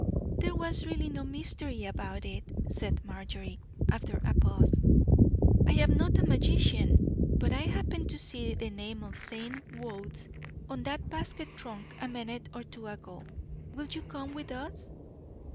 "There was really no mystery about it." said Marjorie, after a pause. "I am not a magician; but I happened to see the name of St. Wode's on that basket trunk a minute or two ago. Will you come with us?"